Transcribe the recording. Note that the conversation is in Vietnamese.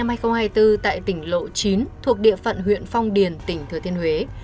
một ngày cuối tháng hai năm hai nghìn hai mươi bốn tại tỉnh lộ chín thuộc địa phận huyện phong điền tỉnh thừa thiên huế